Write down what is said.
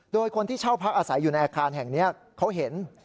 โดยคนที่เช่าพักอาศัยอยู่ในอาคารแห่งนี้เขาเห็น